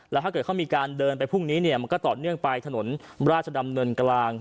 แล้วถ้าเกิดเขามีการเดินไปพรุ่งนี้เนี่ยมันก็ต่อเนื่องไปถนนราชดำเนินกลาง